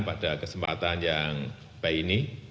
pada kesempatan yang baik ini